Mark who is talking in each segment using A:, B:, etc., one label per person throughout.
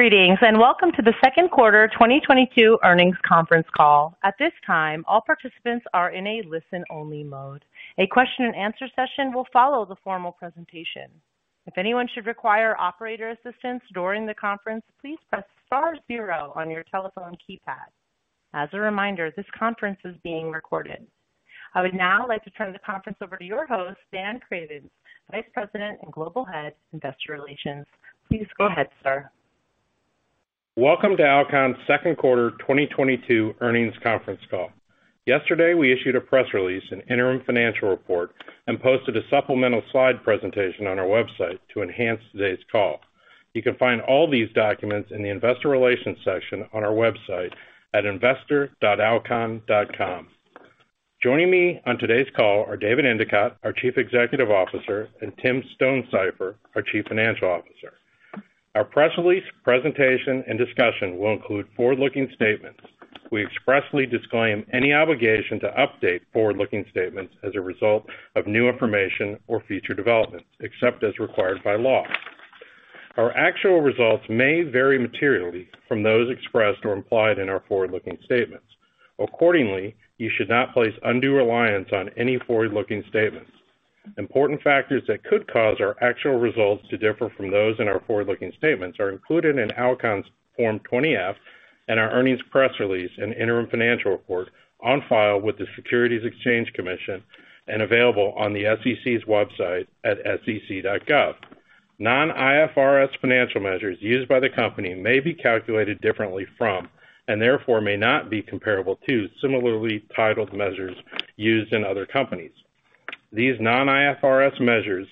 A: Greetings, and welcome to the Q2 2022 earnings conference call. At this time, all participants are in a listen-only mode. A question and answer session will follow the formal presentation. If anyone should require operator assistance during the conference, please press star zero on your telephone keypad. As a reminder, this conference is being recorded. I would now like to turn the conference over to your host, Dan Cravens, Vice President and Global Head, Investor Relations. Please go ahead, sir.
B: Welcome to Alcon's Q2 2022 earnings conference call. Yesterday, we issued a press release and interim financial report and posted a supplemental slide presentation on our website to enhance today's call. You can find all these documents in the investor relations section on our website at investor.alcon.com. Joining me on today's call are David Endicott, our Chief Executive Officer, and Tim Stonesifer, our Chief Financial Officer. Our press release presentation and discussion will include forward-looking statements. We expressly disclaim any obligation to update forward-looking statements as a result of new information or future developments, except as required by law. Our actual results may vary materially from those expressed or implied in our forward-looking statements. Accordingly, you should not place undue reliance on any forward-looking statements. Important factors that could cause our actual results to differ from those in our forward-looking statements are included in Alcon's Form 20-F and our earnings press release and interim financial report on file with the Securities and Exchange Commission and available on the SEC's website at sec.gov. Non-IFRS financial measures used by the company may be calculated differently from, and therefore may not be comparable to, similarly titled measures used in other companies. These non-IFRS measures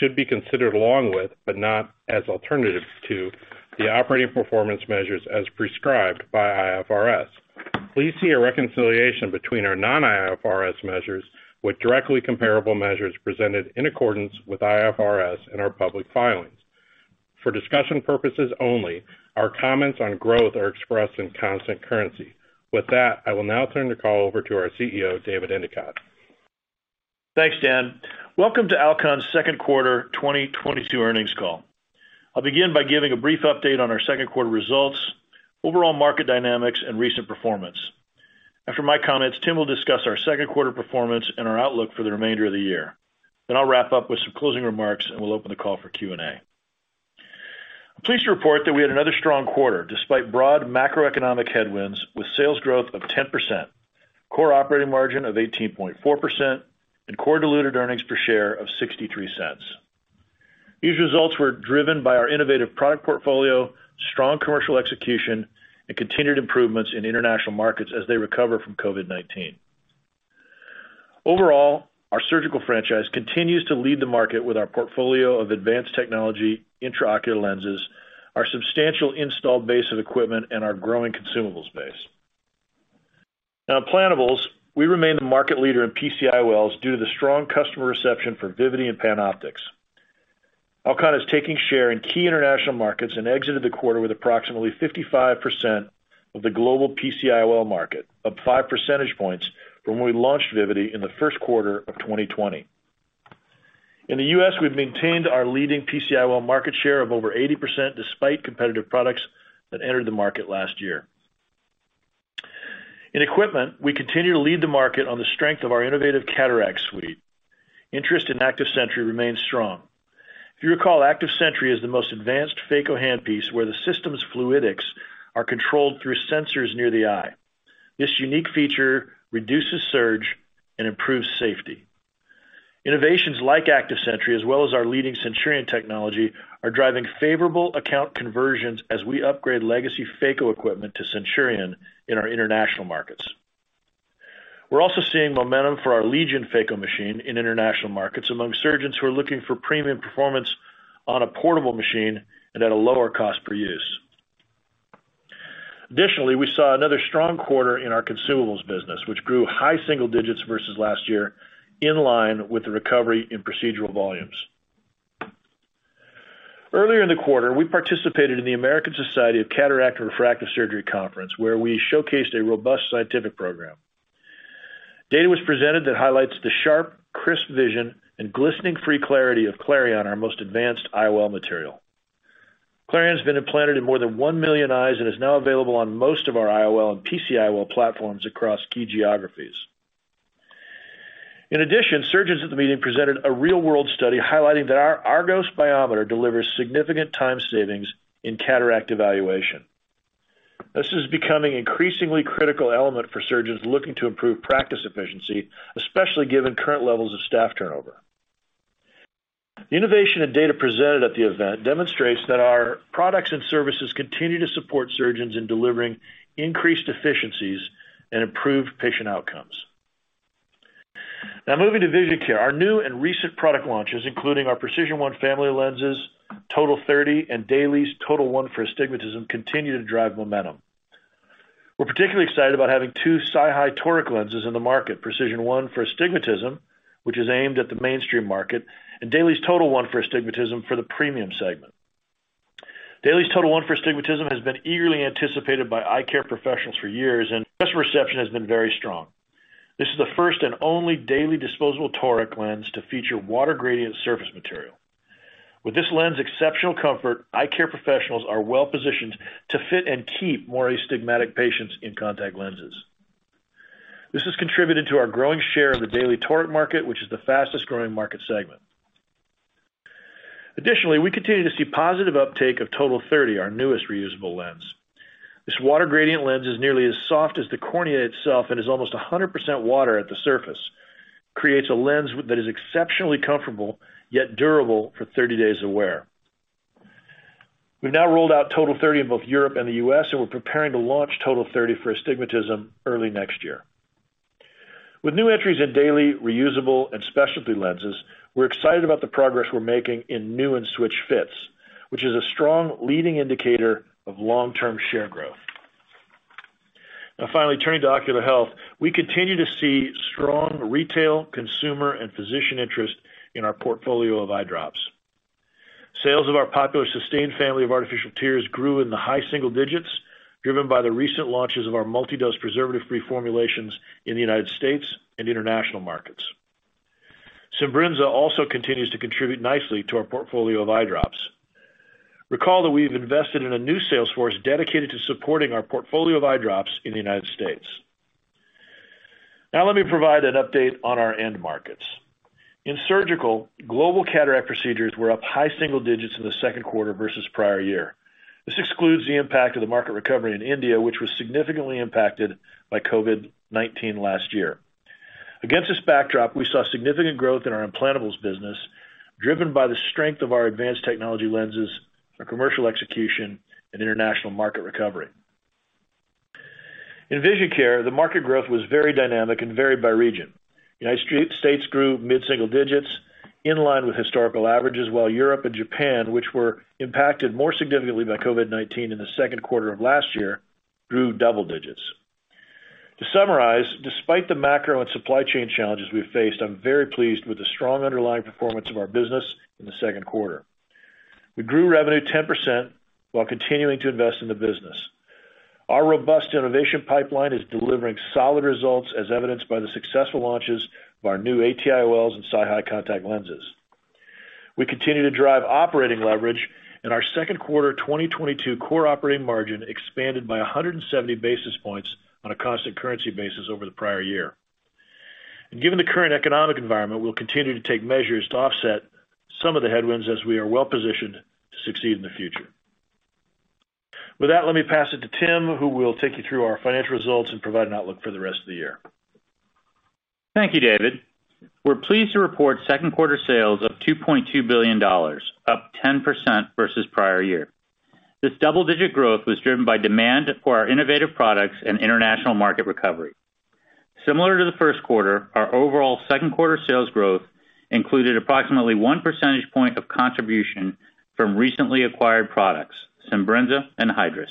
B: should be considered along with, but not as alternatives to, the operating performance measures as prescribed by IFRS. Please see a reconciliation between our non-IFRS measures with directly comparable measures presented in accordance with IFRS in our public filings. For discussion purposes only, our comments on growth are expressed in constant currency. With that, I will now turn the call over to our CEO, David Endicott.
C: Thanks, Dan. Welcome to Alcon's Q2 2022 earnings call. I'll begin by giving a brief update on our Q2 results, overall market dynamics and recent performance. After my comments, Tim will discuss our Q2 performance and our outlook for the remainder of the year. Then I'll wrap up with some closing remarks, and we'll open the call for Q&A. I'm pleased to report that we had another strong quarter despite broad macroeconomic headwinds with sales growth of 10%, core operating margin of 18.4%, and core diluted earnings per share of $0.63. These results were driven by our innovative product portfolio, strong commercial execution, and continued improvements in international markets as they recover from COVID-19. Overall, our surgical franchise continues to lead the market with our portfolio of advanced technology intraocular lenses, our substantial installed base of equipment, and our growing consumables base. Now, implantables, we remain the market leader in PCIOLs due to the strong customer reception for Vivity and PanOptix. Alcon is taking share in key international markets and exited the quarter with approximately 55% of the global PCIOL market, up five percentage points from when we launched Vivity in the Q1 of 2020. In the U.S., we've maintained our leading PCIOL market share of over 80% despite competitive products that entered the market last year. In equipment, we continue to lead the market on the strength of our innovative cataract suite. Interest in Active Sentry remains strong. If you recall, Active Sentry is the most advanced phaco handpiece where the system's fluidics are controlled through sensors near the eye. This unique feature reduces surge and improves safety. Innovations like Active Sentry, as well as our leading Centurion technology, are driving favorable account conversions as we upgrade legacy phaco equipment to Centurion in our international markets. We're also seeing momentum for our Legion phaco machine in international markets among surgeons who are looking for premium performance on a portable machine and at a lower cost per use. Additionally, we saw another strong quarter in our consumables business, which grew high single digits versus last year in line with the recovery in procedural volumes. Earlier in the quarter, we participated in the American Society of Cataract and Refractive Surgery conference, where we showcased a robust scientific program. Data was presented that highlights the sharp, crisp vision and glistening free clarity of Clareon, our most advanced IOL material. Clareon has been implanted in more than one million eyes and is now available on most of our IOL and PCIOL platforms across key geographies. In addition, surgeons at the meeting presented a real-world study highlighting that our ARGOS biometer delivers significant time savings in cataract evaluation. This is becoming an increasingly critical element for surgeons looking to improve practice efficiency, especially given current levels of staff turnover. The innovation and data presented at the event demonstrates that our products and services continue to support surgeons in delivering increased efficiencies and improved patient outcomes. Now moving to Vision Care, our new and recent product launches, including our PRECISION1 family of lenses, TOTAL30, and DAILIES TOTAL1 for Astigmatism, continue to drive momentum. We're particularly excited about having two SiHy toric lenses in the market, PRECISION1 for Astigmatism, which is aimed at the mainstream market, and DAILIES TOTAL1 for Astigmatism for the premium segment. DAILIES TOTAL1 for Astigmatism has been eagerly anticipated by eye care professionals for years, and customer reception has been very strong. This is the first and only daily disposable toric lens to feature water gradient surface material. With this lens, exceptional comfort, eye care professionals are well positioned to fit and keep more astigmatic patients in contact lenses. This has contributed to our growing share of the daily toric market, which is the fastest-growing market segment. Additionally, we continue to see positive uptake of TOTAL30, our newest reusable lens. This water gradient lens is nearly as soft as the cornea itself and is almost 100% water at the surface, creates a lens that is exceptionally comfortable, yet durable for 30 days of wear. We've now rolled out TOTAL30 in both Europe and the U.S., and we're preparing to launch TOTAL30 for astigmatism early next year. With new entries in daily reusable and specialty lenses, we're excited about the progress we're making in new and switch fits, which is a strong leading indicator of long-term share growth. Now finally, turning to ocular health. We continue to see strong retail, consumer, and physician interest in our portfolio of eye drops. Sales of our popular SYSTANE family of artificial tears grew in the high single digits%, driven by the recent launches of our multi-dose preservative-free formulations in the United States and international markets. Simbrinza also continues to contribute nicely to our portfolio of eye drops. Recall that we've invested in a new sales force dedicated to supporting our portfolio of eye drops in the United States. Now let me provide an update on our end markets. In surgical, global cataract procedures were up high single digits in the Q2 versus prior year. This excludes the impact of the market recovery in India, which was significantly impacted by COVID-19 last year. Against this backdrop, we saw significant growth in our implantables business, driven by the strength of our advanced technology lenses, our commercial execution, and international market recovery. In vision care, the market growth was very dynamic and varied by region. United States grew mid-single digits in line with historical averages, while Europe and Japan, which were impacted more significantly by COVID-19 in the Q2 of last year, grew double digits. To summarize, despite the macro and supply chain challenges we've faced, I'm very pleased with the strong underlying performance of our business in the Q2. We grew revenue 10% while continuing to invest in the business. Our robust innovation pipeline is delivering solid results as evidenced by the successful launches of our new ATIOLs and SiHy contact lenses. We continue to drive operating leverage, and our Q2 2022 core operating margin expanded by 170 basis points on a constant currency basis over the prior year. Given the current economic environment, we'll continue to take measures to offset some of the headwinds as we are well positioned to succeed in the future. With that, let me pass it to Tim, who will take you through our financial results and provide an outlook for the rest of the year.
D: Thank you, David. We're pleased to report Q2 sales of $2.2 billion, up 10% versus prior year. This double-digit growth was driven by demand for our innovative products and international market recovery. Similar to the Q1, our overall Q2 sales growth included approximately one percentage point of contribution from recently acquired products, Simbrinza and Hydrus.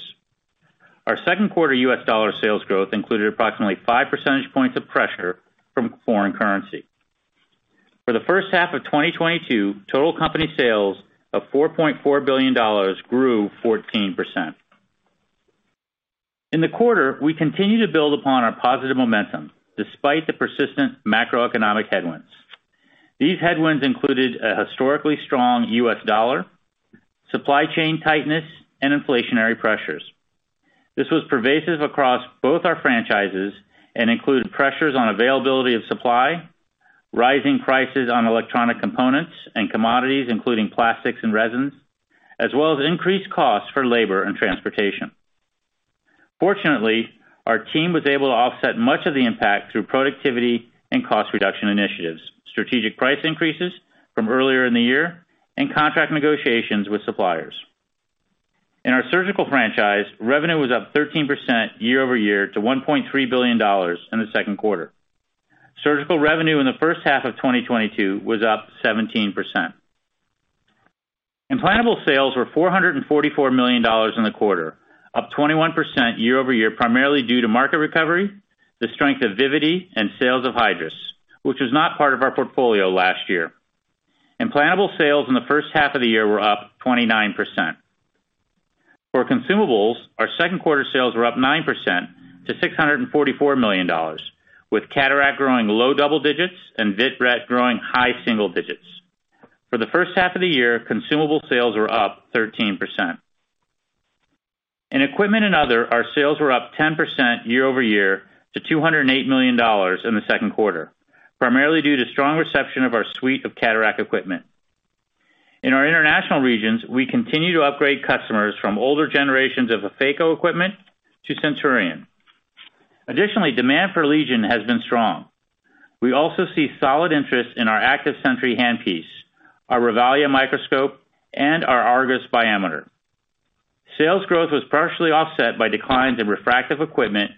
D: Our Q2 U.S. dollar sales growth included approximately five percentage points of pressure from foreign currency. For the first half of 2022, total company sales of $4.4 billion grew 14%. In the quarter, we continued to build upon our positive momentum despite the persistent macroeconomic headwinds. These headwinds included a historically strong U.S. dollar, supply chain tightness, and inflationary pressures. This was pervasive across both our franchises and included pressures on availability of supply, rising prices on electronic components and commodities, including plastics and resins, as well as increased costs for labor and transportation. Fortunately, our team was able to offset much of the impact through productivity and cost reduction initiatives, strategic price increases from earlier in the year, and contract negotiations with suppliers. In our surgical franchise, revenue was up 13% year over year to $1.3 billion in the Q2. Surgical revenue in the first half of 2022 was up 17%. Implantable sales were $444 million in the quarter, up 21% year over year, primarily due to market recovery, the strength of Vivity, and sales of Hydrus, which was not part of our portfolio last year. Implantable sales in the first half of the year were up 29%. For consumables, our Q2 sales were up 9% to $644 million, with cataract growing low double digits and vitreoretinal growing high single digits. For the first half of the year, consumable sales were up 13%. In equipment and other, our sales were up 10% year-over-year to $208 million in the Q2, primarily due to strong reception of our suite of cataract equipment. In our international regions, we continue to upgrade customers from older generations of phaco equipment to Centurion. Additionally, demand for Legion has been strong. We also see solid interest in our ACTIVE SENTRY handpiece, our Revalia microscope, and our ARGOS biometer. Sales growth was partially offset by declines in refractive equipment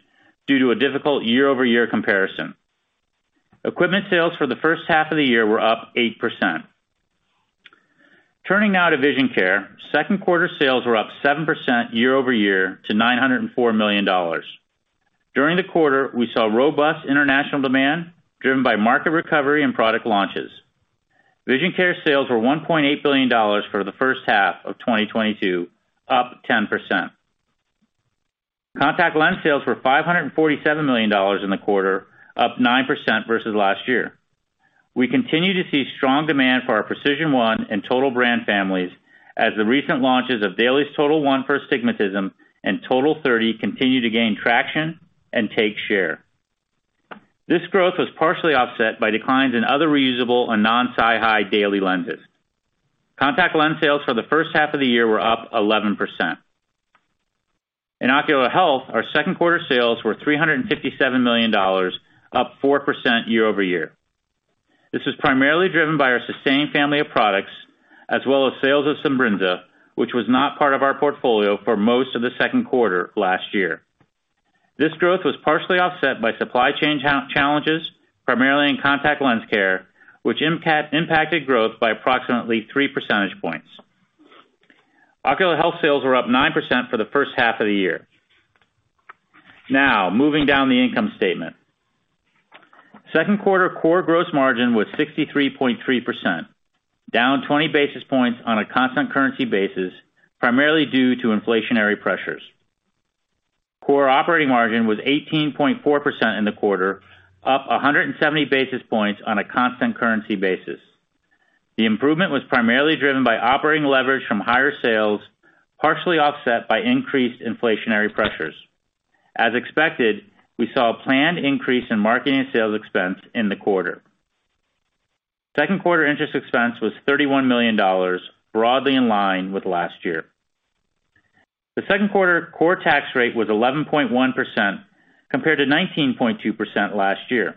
D: due to a difficult year-over-year comparison. Equipment sales for the first half of the year were up 8%. Turning now to vision care. Q2 sales were up 7% year-over-year to $904 million. During the quarter, we saw robust international demand driven by market recovery and product launches. Vision care sales were $1.8 billion for the first half of 2022, up 10%. Contact lens sales were $547 million in the quarter, up 9% versus last year. We continue to see strong demand for our PRECISION1 and Total brand families as the recent launches of DAILIES TOTAL1 for Astigmatism and TOTAL30 continue to gain traction and take share. This growth was partially offset by declines in other reusable and non-SiHy daily lenses. Contact lens sales for the first half of the year were up 11%. In ocular health, our Q2 sales were $357 million, up 4% year-over-year. This is primarily driven by our sustained family of products as well as sales of Simbrinza, which was not part of our portfolio for most of the Q2 last year. This growth was partially offset by supply chain challenges, primarily in contact lens care, which impacted growth by approximately three percentage points. Ocular health sales were up 9% for the first half of the year. Now, moving down the income statement. Q2 core gross margin was 63.3%, down 20 basis points on a constant currency basis, primarily due to inflationary pressures. Core operating margin was 18.4% in the quarter, up 170 basis points on a constant currency basis. The improvement was primarily driven by operating leverage from higher sales, partially offset by increased inflationary pressures. As expected, we saw a planned increase in marketing and sales expense in the quarter. Q2 interest expense was $31 million, broadly in line with last year. The Q2 core tax rate was 11.1% compared to 19.2% last year.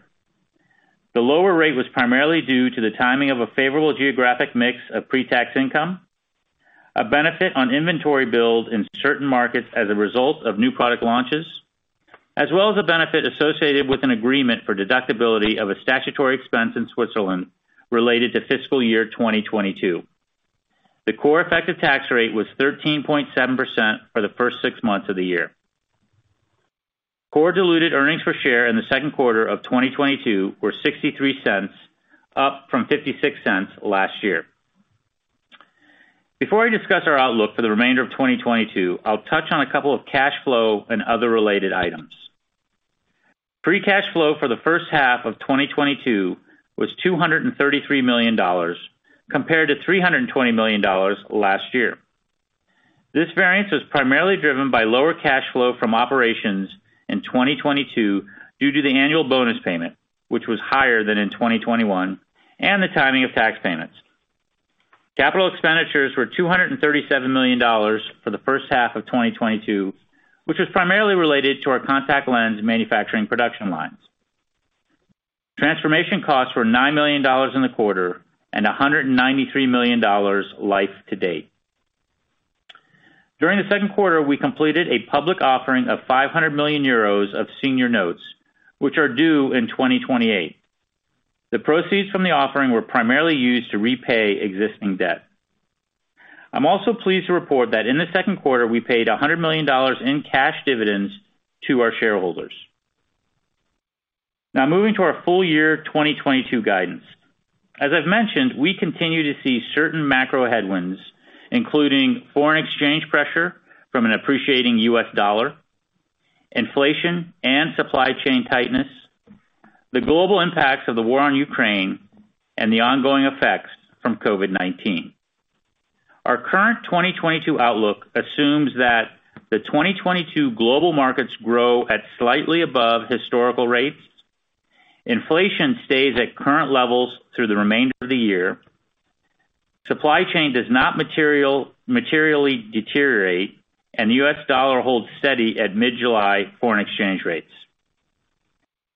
D: The lower rate was primarily due to the timing of a favorable geographic mix of pre-tax income, a benefit on inventory build in certain markets as a result of new product launches, as well as a benefit associated with an agreement for deductibility of a statutory expense in Switzerland related to fiscal year 2022. The core effective tax rate was 13.7% for the first six months of the year. Core diluted earnings per share in the Q2 of 2022 were $0.63, up from $0.56 last year. Before I discuss our outlook for the remainder of 2022, I'll touch on a couple of cash flow and other related items. Free cash flow for the first half of 2022 was $233 million compared to $320 million last year. This variance was primarily driven by lower cash flow from operations in 2022 due to the annual bonus payment, which was higher than in 2021, and the timing of tax payments. Capital expenditures were $237 million for the first half of 2022, which was primarily related to our contact lens manufacturing production lines. Transformation costs were $9 million in the quarter and $193 million life to date. During the Q2, we completed a public offering of 500 million euros of senior notes, which are due in 2028. The proceeds from the offering were primarily used to repay existing debt. I'm also pleased to report that in the Q2, we paid $100 million in cash dividends to our shareholders. Now moving to our full year 2022 guidance. As I've mentioned, we continue to see certain macro headwinds, including foreign exchange pressure from an appreciating U.S. dollar, inflation and supply chain tightness, the global impacts of the war on Ukraine, and the ongoing effects from COVID-19. Our current 2022 outlook assumes that the 2022 global markets grow at slightly above historical rates, inflation stays at current levels through the remainder of the year, supply chain does not materially deteriorate, and the U.S. dollar holds steady at mid-July foreign exchange rates.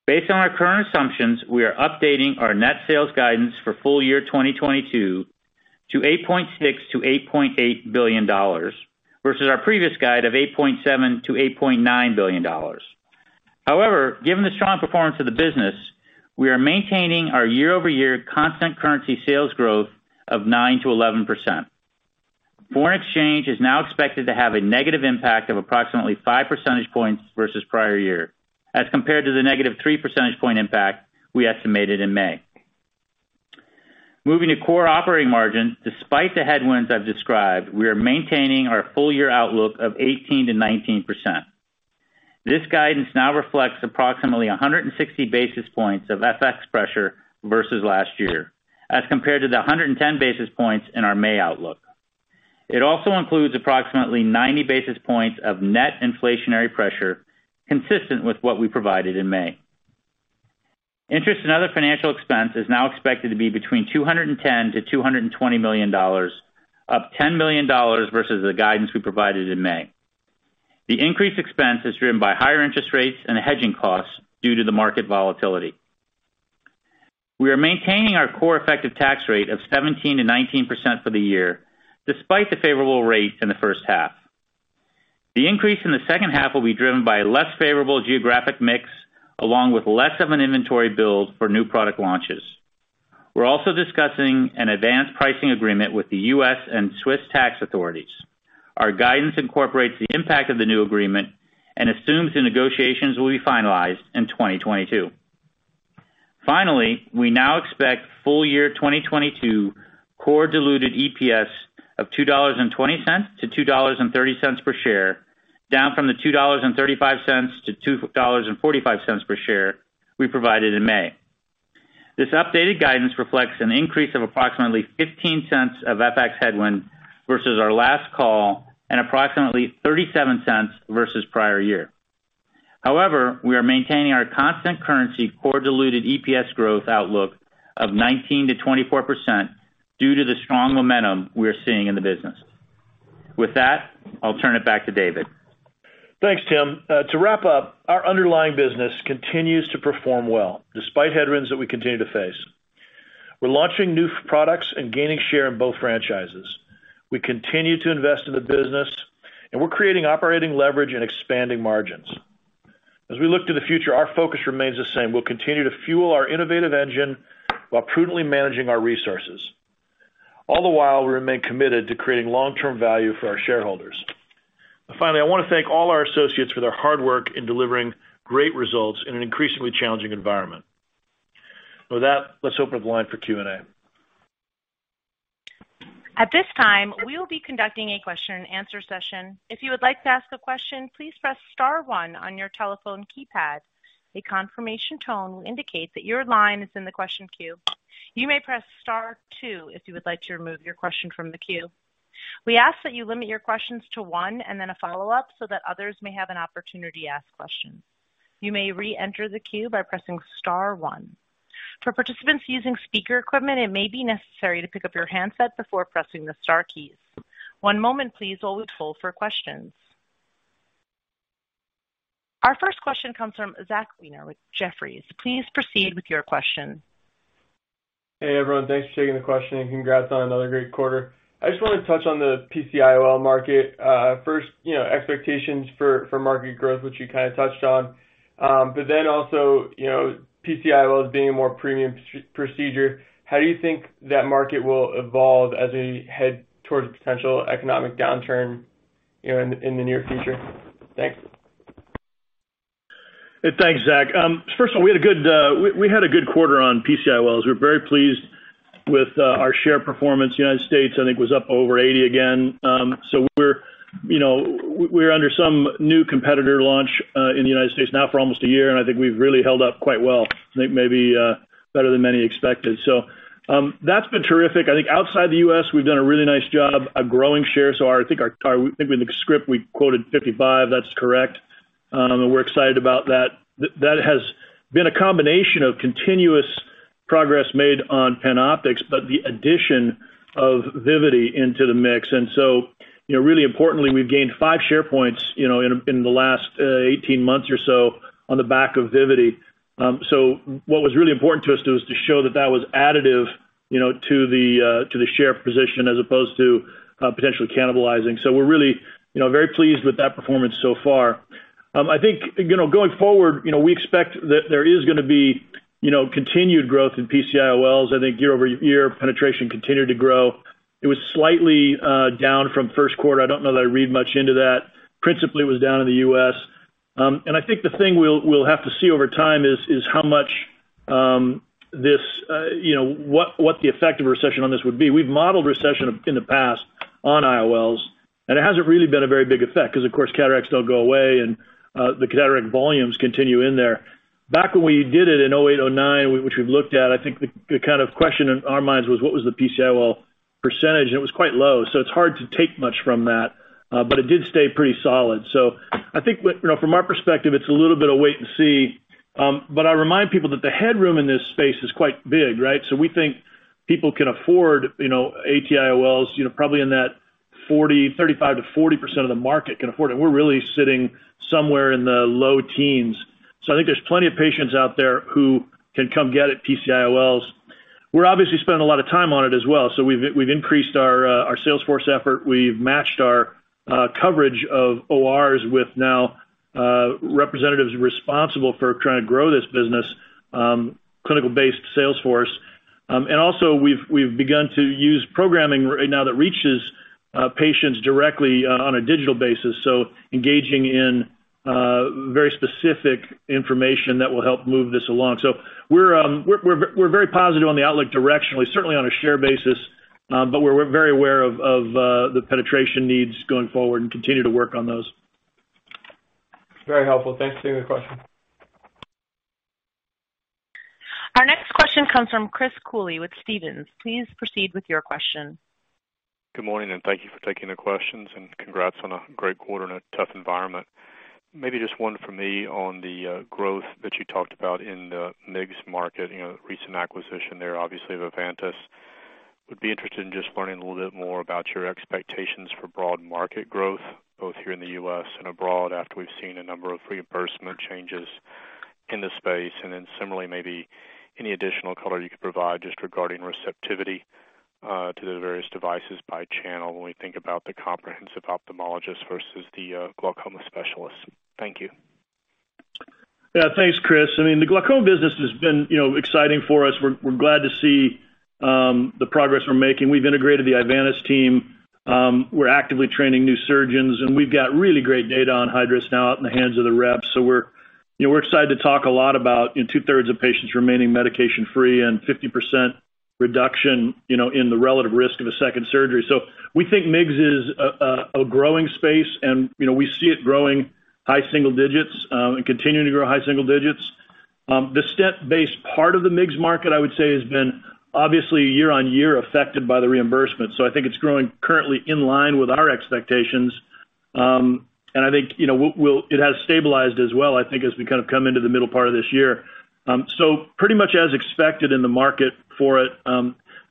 D: Based on our current assumptions, we are updating our net sales guidance for full year 2022 to $8.6 billion-$8.8 billion, versus our previous guide of $8.7 billion-$8.9 billion. However, given the strong performance of the business, we are maintaining our year-over-year constant currency sales growth of 9%-11%. Foreign exchange is now expected to have a negative impact of approximately five percentage points versus prior year, as compared to the negative three percentage point impact we estimated in May. Moving to core operating margins. Despite the headwinds I've described, we are maintaining our full year outlook of 18%-19%. This guidance now reflects approximately 160 basis points of FX pressure versus last year, as compared to the 110 basis points in our May outlook. It also includes approximately 90 basis points of net inflationary pressure consistent with what we provided in May. Interest and other financial expense is now expected to be between $210 million-$220 million, up $10 million versus the guidance we provided in May. The increased expense is driven by higher interest rates and hedging costs due to the market volatility. We are maintaining our core effective tax rate of 17%-19% for the year, despite the favorable rates in the first half. The increase in the second half will be driven by a less favorable geographic mix, along with less of an inventory build for new product launches. We're also discussing an advanced pricing agreement with the U.S. and Swiss tax authorities. Our guidance incorporates the impact of the new agreement and assumes the negotiations will be finalized in 2022. Finally, we now expect full year 2022 core diluted EPS of $2.20-$2.30 per share, down from the $2.35-$2.45 per share we provided in May. This updated guidance reflects an increase of approximately $0.15 of FX headwind versus our last call and approximately $0.37 versus prior year. However, we are maintaining our constant currency core diluted EPS growth outlook of 19%-24% due to the strong momentum we are seeing in the business. With that, I'll turn it back to David.
C: Thanks, Tim. To wrap up, our underlying business continues to perform well despite headwinds that we continue to face. We're launching new products and gaining share in both franchises. We continue to invest in the business, and we're creating operating leverage and expanding margins. As we look to the future, our focus remains the same. We'll continue to fuel our innovative engine while prudently managing our resources. All the while, we remain committed to creating long-term value for our shareholders. Finally, I wanna thank all our associates for their hard work in delivering great results in an increasingly challenging environment. With that, let's open the line for Q&A.
A: At this time, we will be conducting a question and answer session. If you would like to ask a question, please press star one on your telephone keypad. A confirmation tone will indicate that your line is in the question queue. You may press star two if you would like to remove your question from the queue. We ask that you limit your questions to one and then a follow-up so that others may have an opportunity to ask questions. You may reenter the queue by pressing star one. For participants using speaker equipment, it may be necessary to pick up your handset before pressing the star keys. One moment please while we hold for questions. Our first question comes from Zachary Weiner with Jefferies. Please proceed with your question.
E: Hey, everyone. Thanks for taking the question, and congrats on another great quarter. I just wanna touch on the PCIOL market. First, you know, expectations for market growth, which you kinda touched on. But then also, you know, PCIOL as being a more premium per procedure. How do you think that market will evolve as we head towards a potential economic downturn, you know, in the near future? Thanks.
C: Thanks, Zach. First of all, we had, we had a good quarter on PCIOLs. We're very pleased with our share performance. United States, I think, was up over 80% again. So we're, you know, we're under some new competitor launch in the United States now for almost a year, and I think we've really held up quite well. I think maybe better than many expected. So that's been terrific. I think outside the U.S., we've done a really nice job of growing share. I think in the script we quoted 55%. That's correct. And we're excited about that. That has been a combination of continuous progress made on PanOptix, but the addition of Vivity into the mix. And so, you know, really importantly, we've gained five share points, you know, in the last 18 months or so on the back of Vivity. So what was really important to us though is to show that that was additive, you know, to the share position as opposed to potentially cannibalizing. So we're really, you know, very pleased with that performance so far. I think, you know, going forward, you know, we expect that there is gonna be, you know, continued growth in PCIOLs. I think year-over-year, penetration continued to grow. It was slightly down from Q1. I don't know that I read much into that. Principally, it was down in the U.S. And I think the thing we'll have to see over time is how much this you know what the effect of recession on this would be. We've modeled recession in the past on IOLs, and it hasn't really been a very big effect because, of course, cataracts don't go away, and the cataract volumes continue in there. Back when we did it in 2008, 2009, which we've looked at, I think the kind of question in our minds was what was the PCIOL percentage, and it was quite low, so it's hard to take much from that. But it did stay pretty solid. So I think, you know, from our perspective, it's a little bit of wait and see. But I remind people that the headroom in this space is quite big, right? So We think people can afford, you know, ATIOLs, you know, probably in that 35%-40% of the market can afford it. We're really sitting somewhere in the low teens%. So I think there's plenty of patients out there who can come get at PCIOLs. We're obviously spending a lot of time on it as well. So we've increased our sales force effort. We've matched our coverage of ORs with now representatives responsible for trying to grow this business, clinical-based sales force. And also we've begun to use programming right now that reaches patients directly on a digital basis, so engaging in very specific information that will help move this along. So we're very positive on the outlook directionally, certainly on a share basis, but we're very aware of the penetration needs going forward and continue to work on those.
E: Very helpful. Thanks for taking the question.
A: Our next question comes from Chris Cooley with Stephens. Please proceed with your question.
F: Good morning, and thank you for taking the questions, and congrats on a great quarter in a tough environment. Maybe just one for me on the growth that you talked about in the MIGS market, you know, recent acquisition there, obviously of Ivantis. Would be interested in just learning a little bit more about your expectations for broad market growth, both here in the U.S. and abroad, after we've seen a number of reimbursement changes in the space. And then similarly, maybe any additional color you could provide just regarding receptivity to the various devices by channel when we think about the comprehensive ophthalmologist versus the glaucoma specialist. Thank you.
C: Yeah. Thanks, Chris. I mean, the glaucoma business has been, you know, exciting for us. We're glad to see the progress we're making. We've integrated the Ivantis team, we're actively training new surgeons, and we've got really great data on Hydrus now out in the hands of the reps. So we're, you know, excited to talk a lot about in two-thirds of patients remaining medication-free and 50% reduction, you know, in the relative risk of a second surgery. So we think MIGS is a growing space and, you know, we see it growing high single digits and continuing to grow high single digits. The stent-based part of the MIGS market, I would say, has been obviously year-on-year affected by the reimbursement. So I think it's growing currently in line with our expectations. And I think, you know, it has stabilized as well, I think as we kind of come into the middle part of this year. So pretty much as expected in the market for it.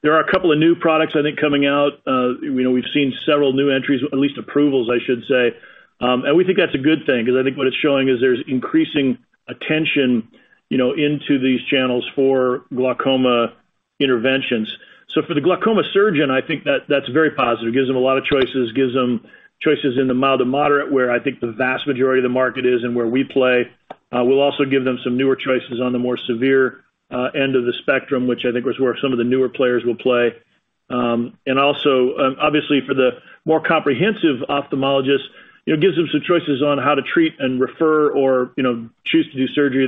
C: There are a couple of new products I think coming out, you know, we've seen several new entries, at least approvals, I should say. And we think that's a good thing 'cause I think what it's showing is there's increasing attention, you know, into these channels for glaucoma interventions. So for the glaucoma surgeon, I think that's very positive. Gives them a lot of choices, gives them choices in the mild to moderate, where I think the vast majority of the market is and where we play. And we'll also give them some newer choices on the more severe end of the spectrum, which I think is where some of the newer players will play. And also, obviously for the more comprehensive ophthalmologist, it gives them some choices on how to treat and refer or, you know, choose to do surgery.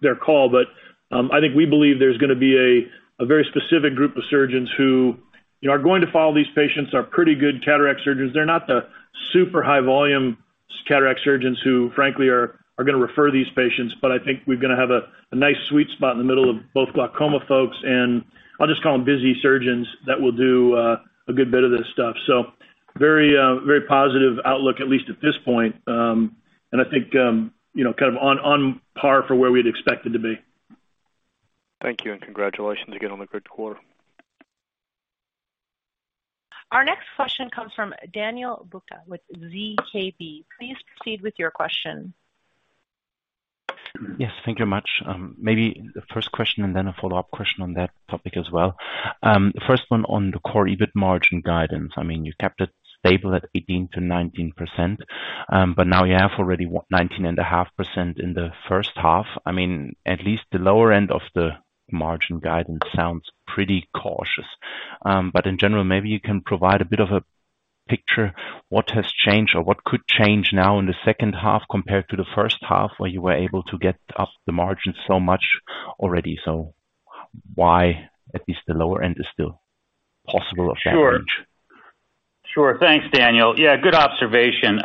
C: Their call. But I think we believe there's gonna be a very specific group of surgeons who, you know, are going to follow these patients, are pretty good cataract surgeons. They're not the super high volume cataract surgeons who frankly are gonna refer these patients. But I think we're gonna have a nice sweet spot in the middle of both glaucoma folks, and I'll just call them busy surgeons that will do a good bit of this stuff. So very positive outlook, at least at this point. And I think, you know, kind of on par for where we'd expect it to be.
F: Thank you, and congratulations again on the great quarter.
A: Our next question comes from Daniel Buchta with ZKB. Please proceed with your question.
G: Yes, thank you much. Maybe the first question and then a follow-up question on that topic as well. First one on the core EBIT margin guidance. I mean, you kept it stable at 18%-19%, but now you have already 19.5% in the first half. I mean, at least the lower end of the margin guidance sounds pretty cautious. But in general, maybe you can provide a bit of a picture, what has changed or what could change now in the second half compared to the first half, where you were able to get up the margin so much already. So why at least the lower end is still possible of that range?
D: Sure. Thanks, Daniel. Yeah, good observation.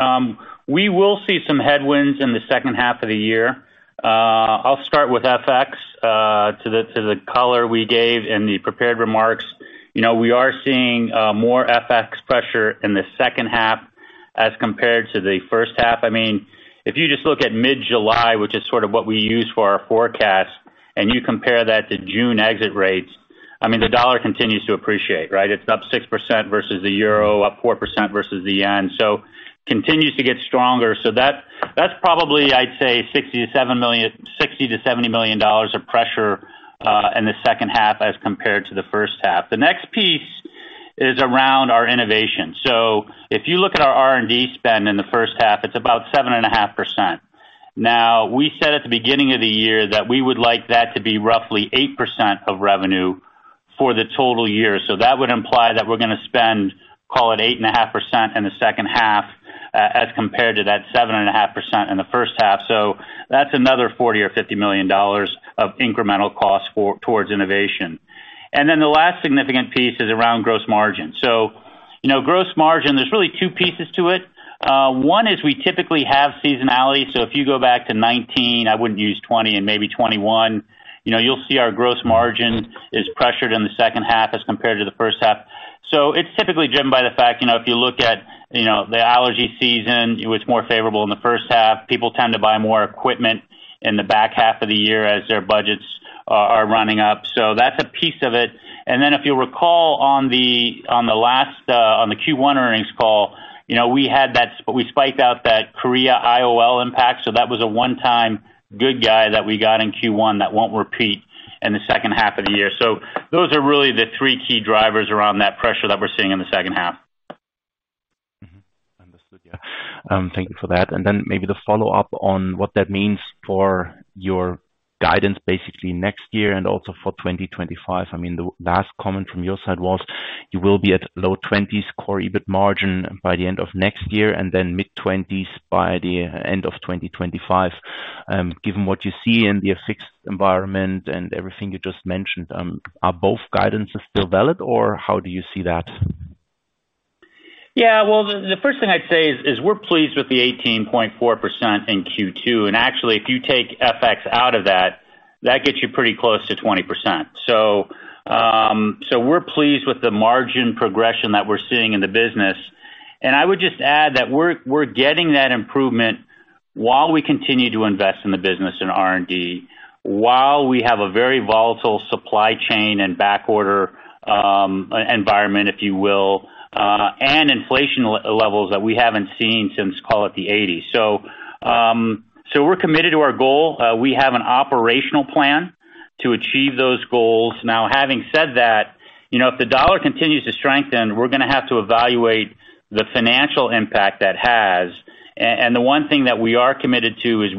D: We will see some headwinds in the second half of the year. I'll start with FX to the color we gave in the prepared remarks. You know, we are seeing more FX pressure in the second half as compared to the first half. I mean, if you just look at mid-July, which is sort of what we use for our forecast, and you compare that to June exit rates, I mean, the dollar continues to appreciate, right? It's up 6% versus the euro, up 4% versus the yen. So continues to get stronger. So that's probably, I'd say $60 million-$70 million of pressure in the second half as compared to the first half. The next piece is around our innovation. So if you look at our R&D spend in the first half, it's about 7.5%. Now, we said at the beginning of the year that we would like that to be roughly 8% of revenue for the total year. So that would imply that we're gonna spend, call it, 8.5% in the second half, as compared to that 7.5% in the first half. So that's another $40 million or $50 million of incremental costs towards innovation. And then the last significant piece is around gross margin. So, you know, gross margin, there's really two pieces to it. One is we typically have seasonality. If you go back to 2019, I wouldn't use 2020 and maybe 2021, you know, you'll see our gross margin is pressured in the second half as compared to the first half. So it's typically driven by the fact, you know, if you look at, you know, the allergy season, it was more favorable in the first half. People tend to buy more equipment in the back half of the year as their budgets are running up. So that's a piece of it. And then if you recall on the last Q1 earnings call, you know, we called out that Korea IOL impact. That was a one-time gain that we got in Q1 that won't repeat in the second half of the year. So those are really the three key drivers around that pressure that we're seeing in the second half.
G: Understood, yeah. Thank you for that. And then maybe the follow-up on what that means for your guidance basically next year and also for 2025. I mean, the last comment from your side was you will be at low 20s% core EBIT margin by the end of next year and then mid-20s% by the end of 2025. Given what you see in the FX environment and everything you just mentioned, are both guidance still valid, or how do you see that?
D: Yeah. Well, the first thing I'd say is we're pleased with the 18.4% in Q2. And actually, if you take FX out of that gets you pretty close to 20%. So, so we're pleased with the margin progression that we're seeing in the business. And I would just add that we're getting that improvement while we continue to invest in the business in R&D, while we have a very volatile supply chain and backorder environment, if you will, and inflation levels that we haven't seen since, call it, the 1980s. So we're committed to our goal. We have an operational plan. To achieve those goals. Now, having said that, you know, if the dollar continues to strengthen, we're gonna have to evaluate the financial impact that has. And the one thing that we are committed to is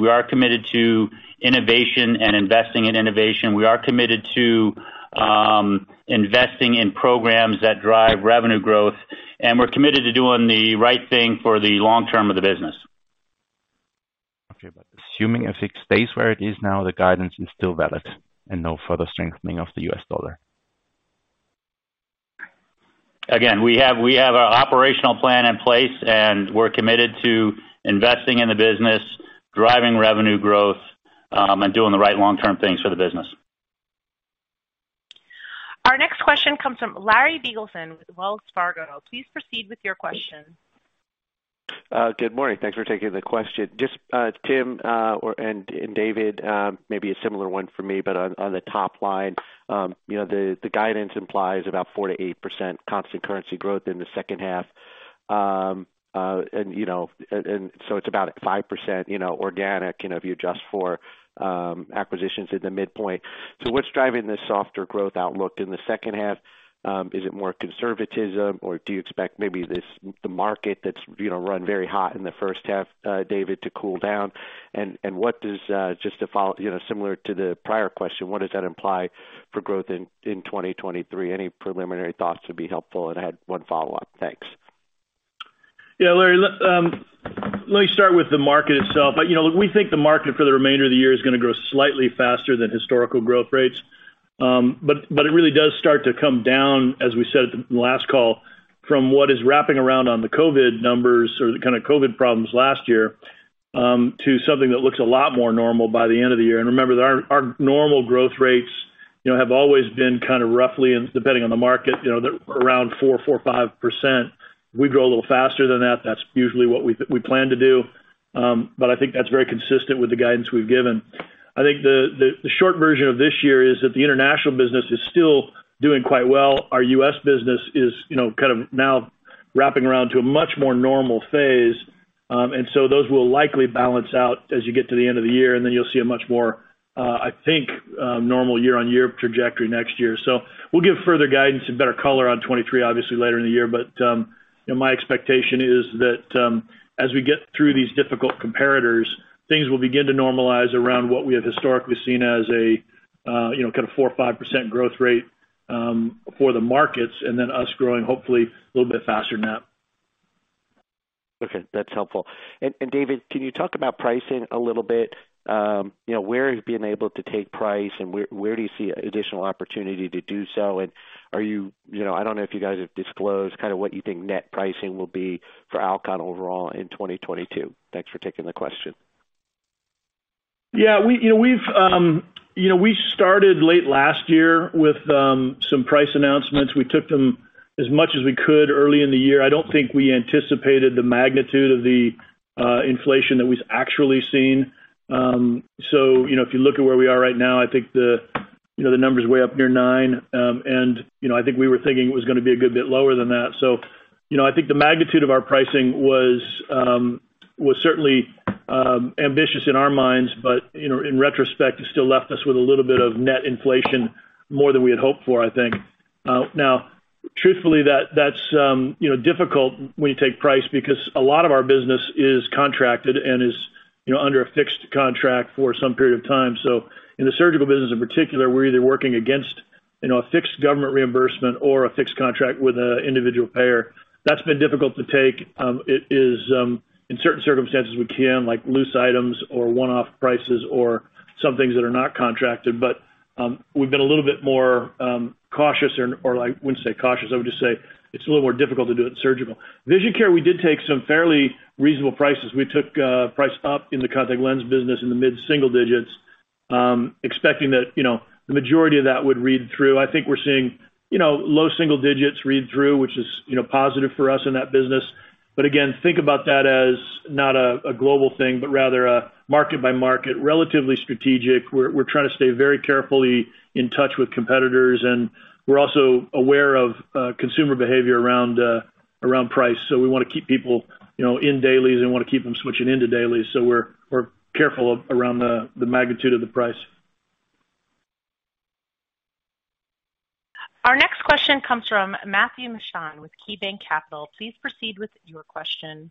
D: innovation and investing in innovation. We are committed to investing in programs that drive revenue growth, and we're committed to doing the right thing for the long term of the business.
G: Okay. Assuming if it stays where it is now, the guidance is still valid and no further strengthening of the U.S. dollar.
D: Again, we have, we have our operational plan in place, and we're committed to investing in the business, driving revenue growth, and doing the right long-term things for the business.
A: Our next question comes from Larry Biegelsen with Wells Fargo. Please proceed with your question.
H: Good morning. Thanks for taking the question. Just Tim and David, maybe a similar one for me, but on the top line. You know, the guidance implies about 4%-8% constant currency growth in the second half. And you know, so it's about 5%, you know, organic, you know, if you adjust for acquisitions at the midpoint. So what's driving this softer growth outlook in the second half? Is it more conservatism or do you expect maybe this, the market that's, you know, run very hot in the first half, David, to cool down? And what does, just to follow, you know, similar to the prior question, what does that imply for growth in 2023? Any preliminary thoughts would be helpful. I had one follow-up. Thanks.
C: Yeah. Larry, let me start with the market itself. You know, look, we think the market for the remainder of the year is gonna grow slightly faster than historical growth rates. But it really does start to come down, as we said at the last call, from what is wrapping around on the COVID numbers or the kind of COVID problems last year, to something that looks a lot more normal by the end of the year. Remember that our normal growth rates, you know, have always been kind of roughly and depending on the market, you know, they're around 4-5%. We grow a little faster than that. That's usually what we plan to do. But I think that's very consistent with the guidance we've given. I think the short version of this year is that the international business is still doing quite well. Our U.S. business is, you know, kind of now wrapping around to a much more normal phase. And so those will likely balance out as you get to the end of the year, and then you'll see a much more, I think, normal year-on-year trajectory next year. So, we'll give further guidance and better color on 2023 obviously later in the year. But my expectation is that as we get through these difficult comparators, things will begin to normalize around what we have historically seen as a, you know, kind of 4%-5% growth rate for the markets, and then us growing hopefully a little bit faster than that.
H: Okay, that's helpful. And David, can you talk about pricing a little bit? You know, where are you being able to take price and where do you see additional opportunity to do so? Are you know, I don't know if you guys have disclosed kind of what you think net pricing will be for Alcon overall in 2022? Thanks for taking the question.
C: Yeah. We, we, we started late last year with some price announcements. We took them as much as we could early in the year. I don't think we anticipated the magnitude of the inflation that we've actually seen. You know, if you look at where we are right now, I think you know, the number's way up near 9%. And you know, I think we were thinking it was gonna be a good bit lower than that. So, you know, I think the magnitude of our pricing was certainly ambitious in our minds, but in retrospect, it still left us with a little bit of net inflation more than we had hoped for, I think. Now truthfully, that's, you know, difficult when you take price because a lot of our business is contracted and is, you know, under a fixed contract for some period of time. So in the surgical business in particular, we're either working against, you know, a fixed government reimbursement or a fixed contract with an individual payer. That's been difficult to take. It is in certain circumstances we can, like loose items or one-off prices or some things that are not contracted. But we've been a little bit more cautious or I wouldn't say cautious, I would just say it's a little more difficult to do it in surgical. Vision care, we did take some fairly reasonable prices. We took price up in the contact lens business in the mid-single digits%, expecting that, you know, the majority of that would read through. I think we're seeing, you know, low single digits read through, which is, you know, positive for us in that business. But again, think about that as not a global thing, but rather a market by market, relatively strategic. We're trying to stay very carefully in touch with competitors, and we're also aware of consumer behavior around price. So we wanna keep people, you know, in dailies and wanna keep them switching into dailies. So we're careful around the magnitude of the price.
A: Our next question comes from Matthew Mishan with KeyBanc Capital. Please proceed with your question.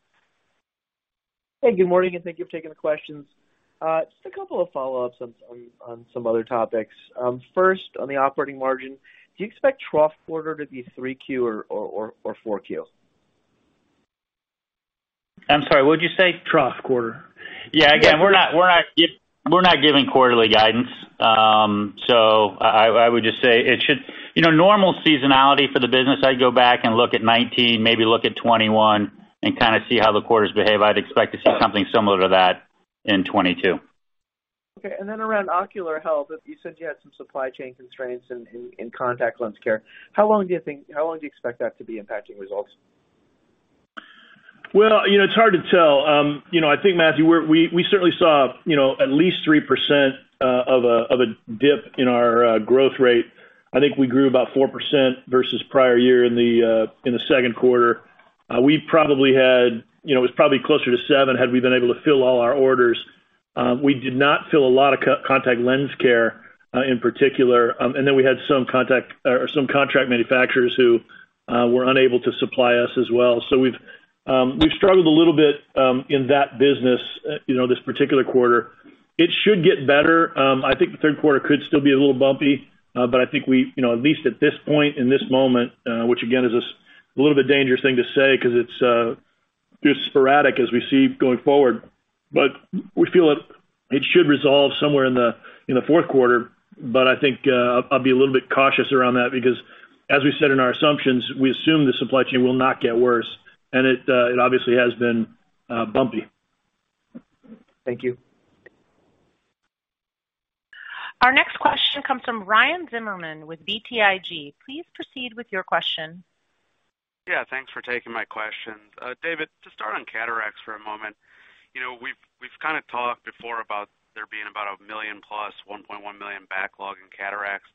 I: Hey, good morning, and thank you for taking the questions. Just a couple of follow-ups on some other topics. First, on the operating margin, do you expect trough quarter to be 3Q or 4Q?
D: I'm sorry, what did you say?
C: Last quarter.
D: Yeah. Again, we're not, we're not, we're not giving quarterly guidance. So I would just say it should. You know, normal seasonality for the business, I'd go back and look at 2019, maybe look at 2021 and kind of see how the quarters behave. I'd expect to see something similar to that in 2022.
I: Okay. And then around ocular health, you said you had some supply chain constraints in contact lens care. How long do you expect that to be impacting results?
C: Well, you know, it's hard to tell. You know, I think, Matthew, we certainly saw, you know, at least 3% of a dip in our growth rate. I think we grew about 4% versus prior year in the Q2. We probably had, you know, it was probably closer to 7% had we been able to fill all our orders. We did not fill a lot of contact lens care, in particular. And then we had some contract manufacturers who were unable to supply us as well. We've struggled a little bit in that business, you know, this particular quarter. It should get better. I think the Q3 could still be a little bumpy. But I think we, you know, at least at this point in this moment, which again is a little bit dangerous thing to say because it's just sporadic as we see going forward. But we feel it should resolve somewhere in the Q4. But I think I'll be a little bit cautious around that because as we said in our assumptions, we assume the supply chain will not get worse. And it obviously has been bumpy.
I: Thank you.
A: Our next question comes from Ryan Zimmerman with BTIG. Please proceed with your question.
J: Yeah, thanks for taking my question. David, to start on cataracts for a moment. You know, we've kind of talked before about there being about one million plus 1.1 million backlog in cataracts.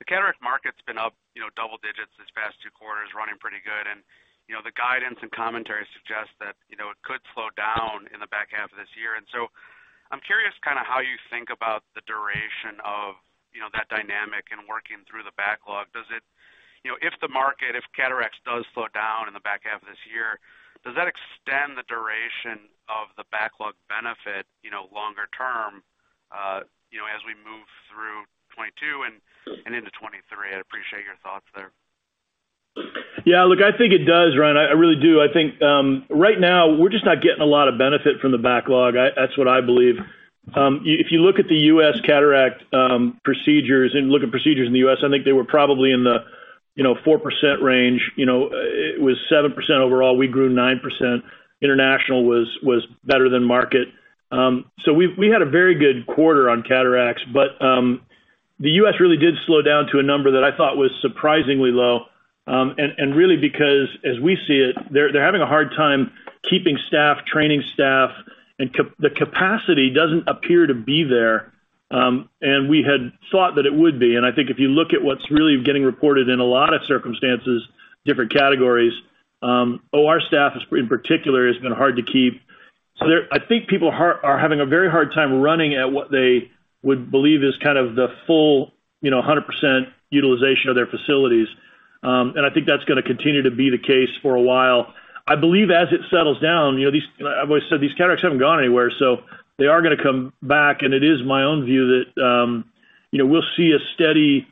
J: The cataract market's been up, you know, double digits this past two quarters, running pretty good. You know, the guidance and commentary suggests that, you know, it could slow down in the back half of this year. And so, I'm curious kind of how you think about the duration of, you know, that dynamic and working through the backlog. Does it you know, if the market, if cataracts does slow down in the back half of this year, does that extend the duration of the backlog benefit, you know, longer term, you know, as we move through 2022 and into 2023? I'd appreciate your thoughts there.
C: Yeah, look, I think it does, Ryan. I really do. I think right now we're just not getting a lot of benefit from the backlog. That's what I believe. If you look at the U.S. cataract procedures and look at procedures in the U.S., I think they were probably in the, you know, 4% range. You know, it was 7% overall. We grew 9%. International was better than market. So we had a very good quarter on cataracts, but the U.S. really did slow down to a number that I thought was surprisingly low. And really because as we see it, they're having a hard time keeping staff, training staff, and the capacity doesn't appear to be there. And we had thought that it would be. I think if you look at what's really getting reported in a lot of circumstances, different categories, OR staff in particular has been hard to keep. I think people are having a very hard time running at what they would believe is kind of the full 100% utilization of their facilities. And I think that's gonna continue to be the case for a while. I believe as it settles down, I've always said these cataracts haven't gone anywhere, so they are gonna come back. It is my own view that we'll see a steady,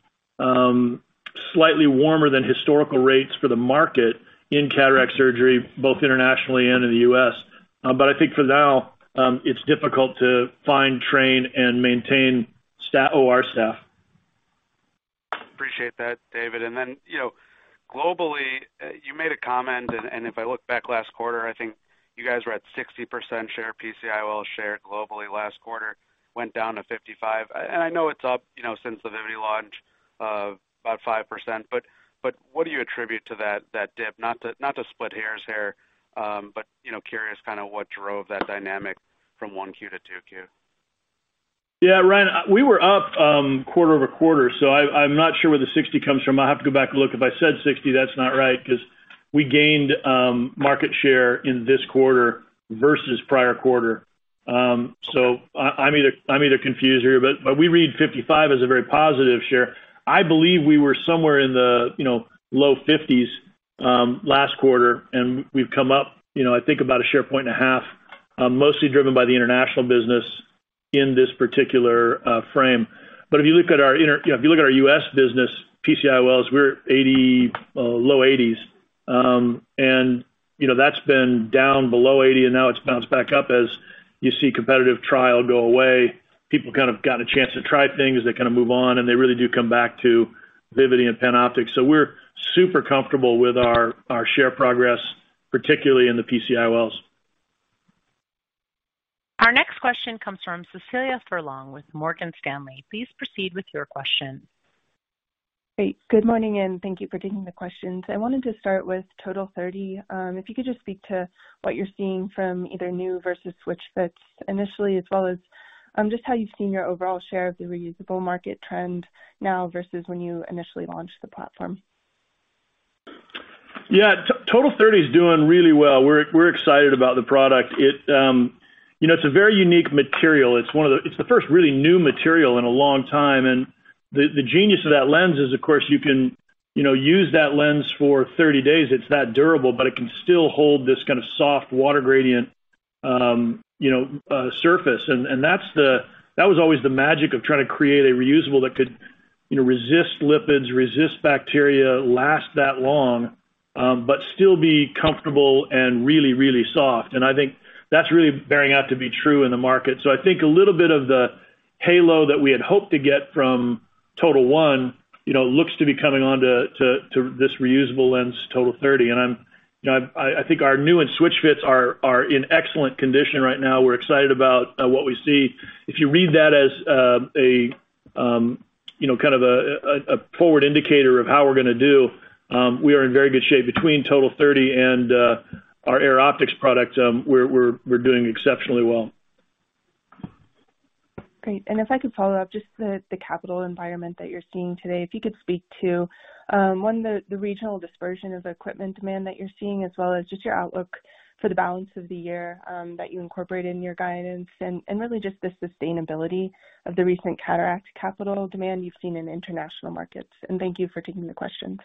C: slightly warmer than historical rates for the market in cataract surgery, both internationally and in the US. But I think for now, it's difficult to find, train, and maintain OR staff.
J: Appreciate that, David. And then you know, globally, you made a comment, and if I look back last quarter, I think you guys were at 60% share, PCIOLs share globally last quarter went down to 55%. And I know it's up, you know, since the Vivity launch of about 5%. But, but what do you attribute to that dip? Not to, not to split hairs here, but you know, curious kind of what drove that dynamic from 1Q to 2Q.
C: Yeah, Ryan, we were up quarter-over-quarter, so I'm not sure where the 60 comes from. I have to go back and look. If I said 60, that's not right, because we gained market share in this quarter versus prior quarter. So I'm either confused here, but we read 55% as a very positive share. I believe we were somewhere in the low 50s% last quarter, and we've come up, you know, I think about 1.5 share points, mostly driven by the international business in this particular frame. But if you look at our U.S. business, PCIOLs, we're 80%, low 80s%. And, you know, that's been down below 80% and now it's bounced back up as you see competitive trial go away. People kind of got a chance to try things, they kind of move on, and they really do come back to Vivity and PanOptix. So we're super comfortable with our share progress, particularly in the PCIOLs.
A: Our next question comes from Cecilia Furlong with Morgan Stanley. Please proceed with your question.
K: Great. Good morning, and thank you for taking the questions. I wanted to start with TOTAL30. If you could just speak to what you're seeing from either new versus switch fits initially, as well as, just how you've seen your overall share of the reusable market trend now versus when you initially launched the platform.
C: Yeah, TOTAL30 is doing really well. We're excited about the product. It, you know, it's a very unique material. It's the first really new material in a long time. The genius of that lens is, of course, you know, you can use that lens for 30 days. It's that durable, but it can still hold this kind of soft water gradient, you know, surface. And that's the magic of trying to create a reusable that could, you know, resist lipids, resist bacteria, last that long, but still be comfortable and really, really soft. And I think that's really bearing out to be true in the market. I think a little bit of the halo that we had hoped to get from TOTAL1, you know, looks to be coming on to this reusable lens, TOTAL30. And I think our new and switch fits are in excellent condition right now. We're excited about what we see. If you read that as, you know, kind of a forward indicator of how we're gonna do, we are in very good shape between TOTAL30 and our Air Optix product, we're doing exceptionally well.
K: Great. And if I could follow up just the capital environment that you're seeing today, if you could speak to one, the regional dispersion of equipment demand that you're seeing, as well as just your outlook for the balance of the year, that you incorporate in your guidance and really just the sustainability of the recent cataract capital demand you've seen in international markets? And thank you for taking the questions.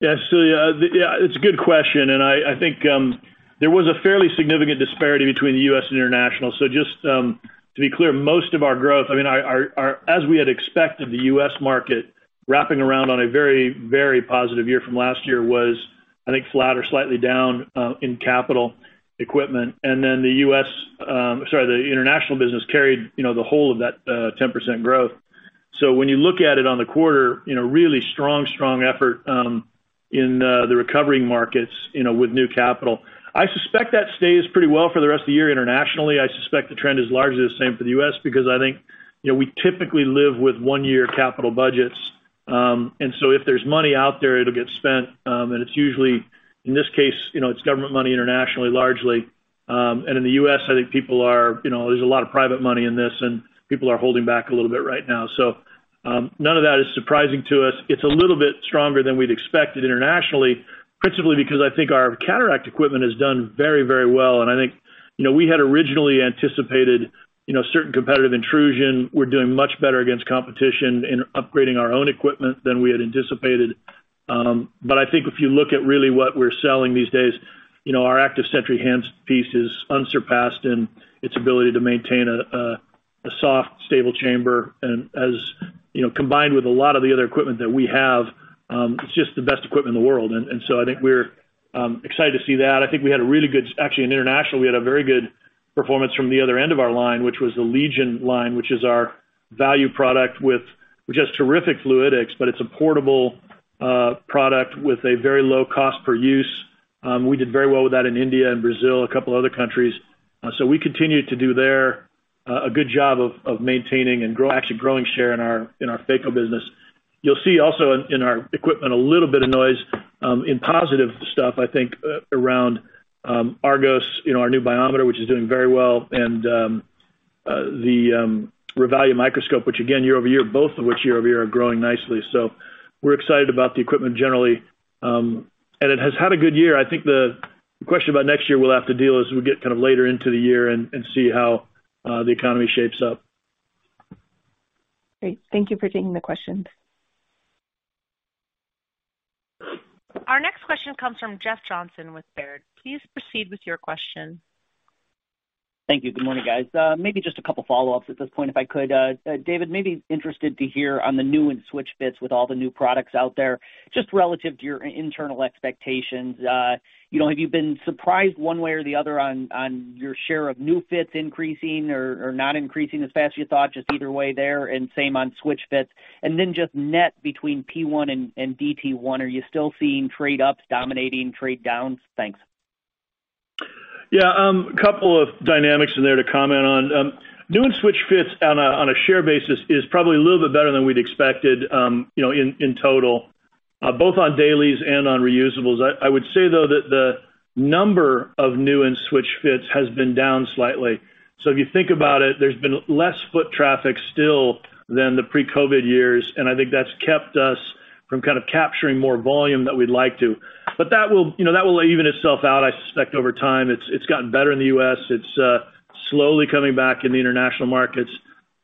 C: Yeah. It's a good question, and I think there was a fairly significant disparity between the U.S. and international. So just to be clear, most of our growth, I mean, our—as we had expected, the U.S. market wrapping around on a very, very positive year from last year was, I think, flat or slightly down in capital equipment. And then the international business carried, you know, the whole of that 10% growth. When you look at it on the quarter, you know, really strong effort in the recovering markets, you know, with new capital. I suspect that stays pretty well for the rest of the year internationally. I suspect the trend is largely the same for the U.S. because I think, you know, we typically live with one-year capital budgets. And so if there's money out there, it'll get spent. It's usually, in this case, you know, it's government money internationally, largely. In the US, I think people are, you know, there's a lot of private money in this, and people are holding back a little bit right now. So none of that is surprising to us. It's a little bit stronger than we'd expected internationally, principally because I think our cataract equipment has done very, very well. I think, you know, we had originally anticipated, you know, certain competitive intrusion. We're doing much better against competition in upgrading our own equipment than we had anticipated. But I think if you look at really what we're selling these days, you know, our Active Sentry handpiece is unsurpassed in its ability to maintain a soft, stable chamber. And as you know, combined with a lot of the other equipment that we have, it's just the best equipment in the world, and so I think we're excited to see that. I think we had a really good. Actually, in international, we had a very good performance from the other end of our line, which was the LEGION line, which is our value product with which has terrific fluidics, but it's a portable product with a very low cost per use. We did very well with that in India and Brazil, a couple other countries. So we continued to do there a good job of maintaining and actually growing share in our phaco business. You'll see also in our equipment, a little bit of noise in positive stuff, I think, around ARGOS, you know, our new biometer, which is doing very well, and the Revalia microscope, which again, year-over-year, both of which year-over-year are growing nicely. So we're excited about the equipment generally, and it has had a good year. I think the question about next year we'll have to deal as we get kind of later into the year and see how the economy shapes up.
K: Great. Thank you for taking the questions.
A: Our next question comes from Jeff Johnson with Baird. Please proceed with your question.
L: Thank you. Good morning, guys. Maybe just a couple follow-ups at this point, if I could. David, maybe interested to hear on the new and switch fits with all the new products out there, just relative to your internal expectations. You know, have you been surprised one way or the other on your share of new fits increasing or not increasing as fast as you thought, just either way there? And same on switch fits. Then just net between P1 and DT1, are you still seeing trade ups dominating trade downs? Thanks.
C: Yeah, a couple of dynamics in there to comment on. New and switch fits on a share basis is probably a little bit better than we'd expected, you know, in total, both on dailies and on reusables. I would say, though, that the number of new and switch fits has been down slightly. So if you think about it, there's been less foot traffic still than the pre-COVID years, and I think that's kept us from kind of capturing more volume that we'd like to. But that will, you know, that will even itself out, I suspect, over time. It's gotten better in the U.S. It's slowly coming back in the international markets.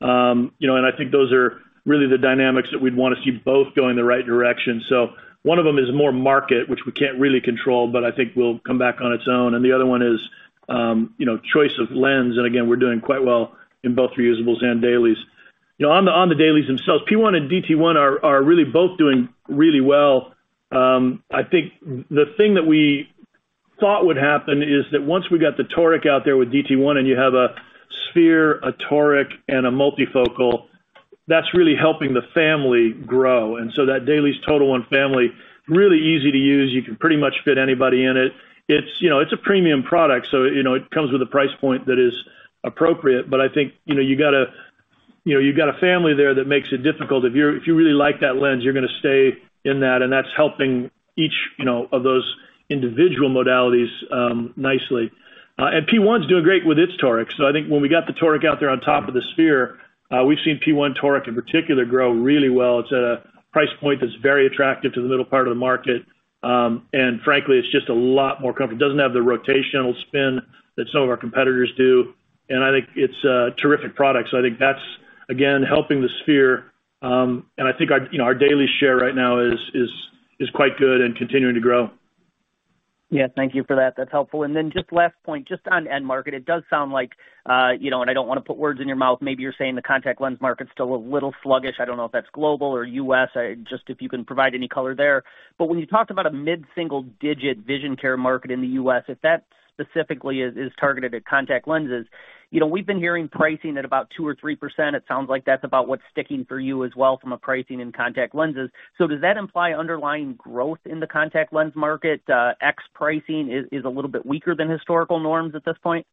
C: You know, and I think those are really the dynamics that we'd wanna see both going the right direction. So one of them is more market, which we can't really control, but I think will come back on its own. The other one is, you know, choice of lens. And again, we're doing quite well in both reusables and dailies. You know, on the dailies themselves, P1 and DT1 are really both doing really well. I think the thing that we thought would happen is that once we got the toric out there with DT1 and you have a sphere, a toric, and a multifocal, that's really helping the family grow. That dailies total and family, really easy to use. You can pretty much fit anybody in it. It's, you know, a premium product, so, you know, it comes with a price point that is appropriate. But I think, you know, you got a... You know, you've got a family there that makes it difficult. If you really like that lens, you're gonna stay in that, and that's helping each, you know, of those individual modalities nicely. P1's doing great with its toric. I think when we got the toric out there on top of the sphere, we've seen P1 toric in particular grow really well. It's at a price point that's very attractive to the middle part of the market. And frankly, it's just a lot more comfortable. It doesn't have the rotational spin that some of our competitors do, and I think it's a terrific product. So I think that's, again, helping the sphere. And I think our, you know, our daily share right now is, is, is quite good and continuing to grow.
L: Yeah. Thank you for that. That's helpful. And then just last point, just on end market. It does sound like, you know, and I don't wanna put words in your mouth. Maybe you're saying the contact lens market's still a little sluggish. I don't know if that's global or U.S. Just if you can provide any color there. When you talked about a mid-single-digit vision care market in the U.S., if that specifically is targeted at contact lenses, you know, we've been hearing pricing at about 2%-3%. It sounds like that's about what's sticking for you as well from a pricing in contact lenses. So does that imply underlying growth in the contact lens market? Ex pricing is a little bit weaker than historical norms at this point?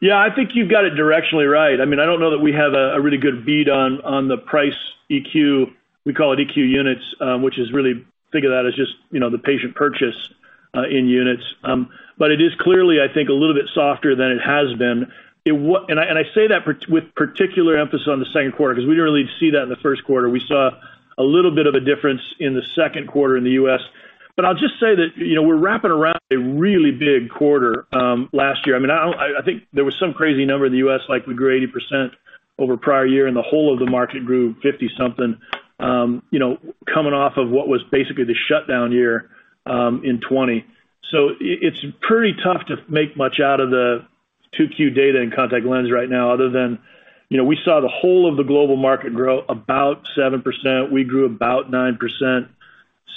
C: Yeah. I think you've got it directionally right. I mean, I don't know that we have a really good read on the price EQ. We call it EQ units, which is really, think of that as just, you know, the patient purchase in units. But it is clearly, I think, a little bit softer than it has been. And I say that with particular emphasis on the Q2 because we didn't really see that in the Q1. We saw a little bit of a difference in the Q2 in the U.S. But I'll just say that, you know, we're lapping a really big quarter last year. I mean, I think there was some crazy number in the U.S., like we grew 80% over prior year, and the whole of the market grew 50-something%, you know, coming off of what was basically the shutdown year in 2020. So it's pretty tough to make much out of the 2Q data in contact lens right now other than, you know, we saw the whole of the global market grow about 7%. We grew about 9%.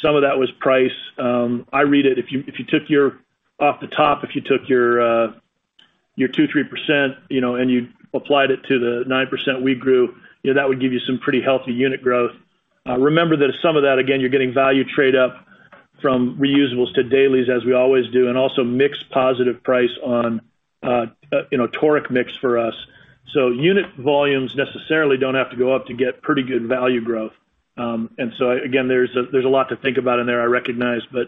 C: Some of that was price. I read it if you took your 2-3% off the top, you know, and you applied it to the 9% we grew, you know, that would give you some pretty healthy unit growth. Remember that some of that, again, you're getting value trade up from reusables to dailies, as we always do, and also mixed positive price on, you know, toric mix for us. So unit volumes necessarily don't have to go up to get pretty good value growth. And so again, there's a lot to think about in there, I recognize. The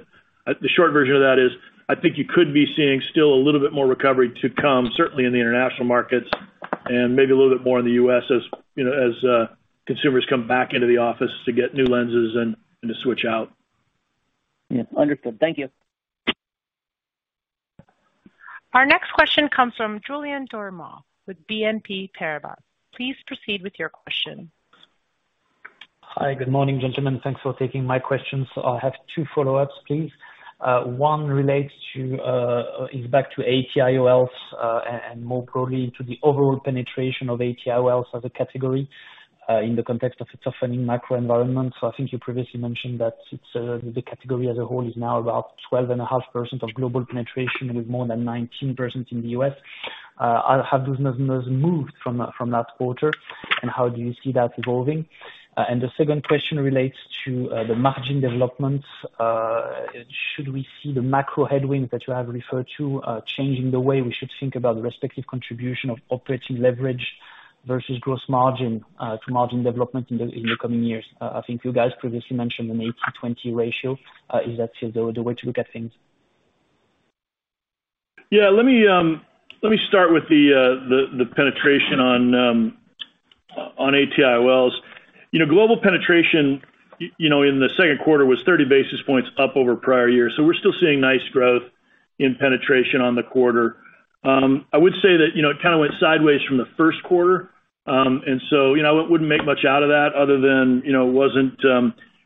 C: short version of that is, I think you could be seeing still a little bit more recovery to come, certainly in the international markets, and maybe a little bit more in the U.S. as you know, as consumers come back into the office to get new lenses and to switch out.
L: Yeah. Understood. Thank you.
A: Our next question comes from Julien Dormois with BNP Paribas. Please proceed with your question.
M: Hi. Good morning, gentlemen. Thanks for taking my questions. I have two follow-ups, please. One relates back to ATIOLs, and more broadly to the overall penetration of ATIOLs as a category, in the context of a toughening macro environment. I think you previously mentioned that it's the category as a whole is now about 12.5% of global penetration, with more than 19% in the U.S. Have those numbers moved from that quarter, and how do you see that evolving? And the second question relates to the margin development. Should we see the macro headwind that you have referred to changing the way we should think about the respective contribution of operating leverage versus gross margin to margin development in the coming years? I think you guys previously mentioned an 80/20 ratio. Is that still the way to look at things?
C: Yeah. Let me start with the penetration on ATIOLs. You know, global penetration, you know, in the Q2 was 30 basis points up over prior years. So we're still seeing nice growth in penetration on the quarter. I would say that, you know, it kind of went sideways from the Q1. And so, you know, I wouldn't make much out of that other than, you know, it wasn't.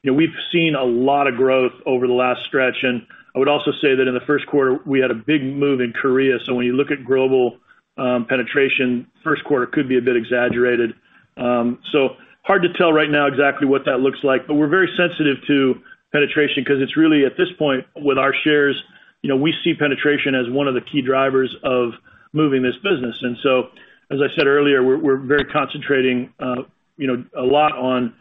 C: You know, we've seen a lot of growth over the last stretch. I would also say that in the Q1, we had a big move in Korea. So when you look at global penetration, Q1 could be a bit exaggerated. So hard to tell right now exactly what that looks like, but we're very sensitive to penetration 'cause it's really, at this point with our shares, you know, we see penetration as one of the key drivers of moving this business. And so, as I said earlier, we're very concentrated, you know, a lot on